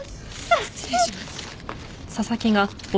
失礼します。